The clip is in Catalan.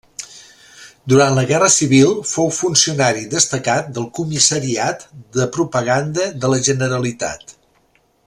Durant la Guerra Civil fou funcionari destacat del Comissariat de Propaganda de la Generalitat.